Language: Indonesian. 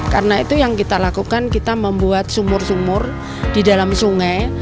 karena itu yang kita lakukan kita membuat sumur sumur di dalam sungai